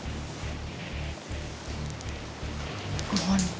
kalau dia masih sayang sama gue